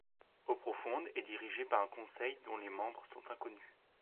Eauprofonde est dirigée par un conseil dont les membres sont inconnus.